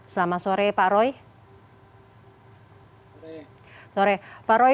selamat sore pak roy